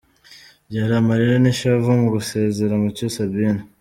Byari amarira n’ishavu mu gusezera Mucyo Sabine